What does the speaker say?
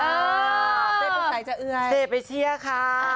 เต้นปลูกใส่จะเอ่ยเซ่ไปเชียค่ะ